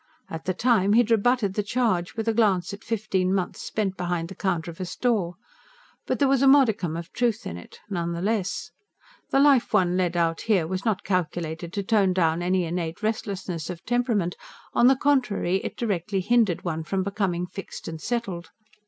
At the time, he had rebutted the charge, with a glance at fifteen months spent behind the counter of a store. But there was a modicum of truth in it, none the less. The life one led out here was not calculated to tone down any innate restlessness of temperament: on the contrary, it directly hindered one from becoming fixed and settled.